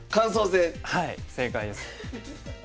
はい正解です。